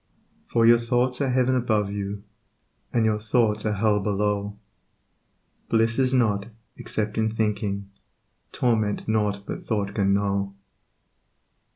For your thoughts are heaven above you, And your thoughts are hell below, Bliss is not, except in thinking, Torment nought but thought can know.